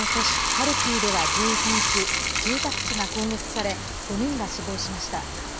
ハルキウでは１１日、住宅地が攻撃され５人が死亡しました。